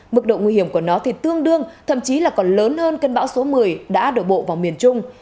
mức độ nguy hiểm của nó thì tương đương thậm chí là còn lớn hơn cơn bão số một mươi đã đổ bộ vào miền trung